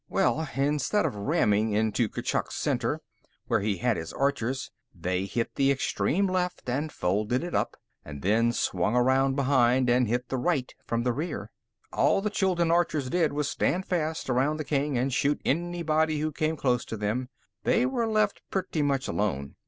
Well, instead of ramming into Kurchuk's center, where he had his archers, they hit the extreme left and folded it up, and then swung around behind and hit the right from the rear. All the Chuldun archers did was stand fast around the king and shoot anybody who came close to them: they were left pretty much alone.